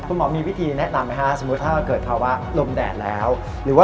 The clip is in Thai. คุณหมอมีวิธีแนะนำไหมสมมุติถ้าเกิดคำว่าลมแดดแล้ว